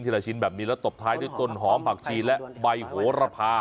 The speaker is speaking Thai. ละชิ้นแบบนี้แล้วตบท้ายด้วยต้นหอมผักชีและใบโหระพา